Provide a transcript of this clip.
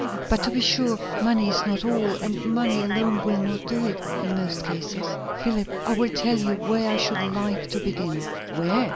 But, to be sure, money is not all; and money alone will not do it, in most cases. Philip, I will tell you where I should like to begin." "Where?